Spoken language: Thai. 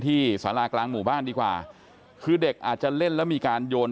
สารากลางหมู่บ้านดีกว่าคือเด็กอาจจะเล่นแล้วมีการโยน